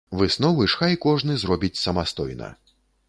Высновы ж хай кожны зробіць самастойна.